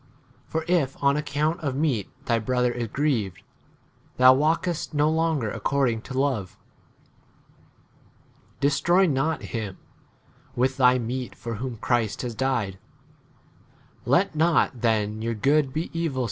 For n if on account of meat thy brother is grieved, thou walkest no longer according to love. Destroy not hvm° with thy meat for whom Christ has died. 16 Let not then your good be evil l